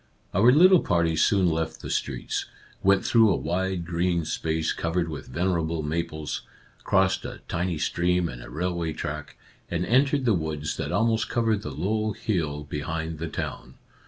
'' Our little party soon left the streets, went through a wide green space covered with venerable maples, crossed a tiny stream and a railway track, and entered the woods that almost covered the low hill behind the town.